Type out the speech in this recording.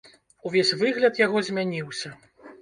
Увесь выгляд яго змяніўся.